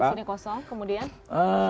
oke di sini kosong kemudian